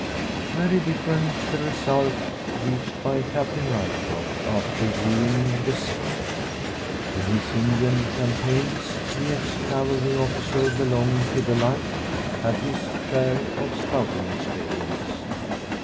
Very different the result reached by Captain Ryecroft after viewing the same. In his Indian campaigns the ex cavalry officer, belonging to the "Light," had his share of scouting experience.